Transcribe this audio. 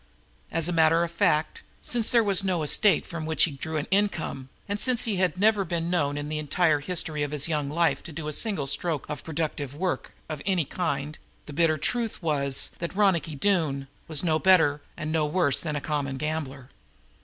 As a matter of fact, since there was no estate from which he drew an income, and since he had never been known in the entire history of his young life to do a single stroke of productive work of any kind, the bitter truth was that Ronicky Doone was no better and no worse than a common gambler.